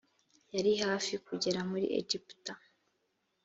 yari hafi kugera muri egiputa